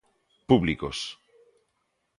¡Públicos!